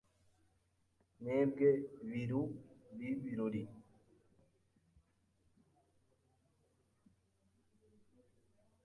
Mwebwe Biru b’ibirori